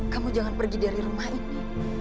kamu jangan pergi dari rumah ini